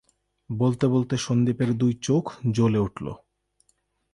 বলতে বলতে সন্দীপের দুই চোখ জ্বলে উঠল।